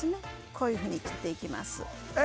こういうふうに切っていきますえ